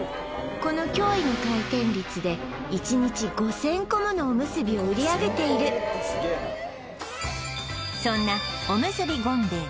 この驚異の回転率で１日５０００個ものおむすびを売り上げているそんなおむすび権米衛